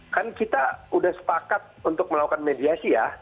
kan kita sudah sepakat untuk melakukan mediasi ya